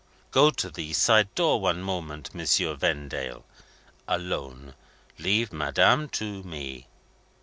"Go to the side door, one moment, Monsieur Vendale. Alone. Leave Madame to me."